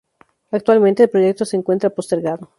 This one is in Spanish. Actualmente, el proyecto se encuentra postergado.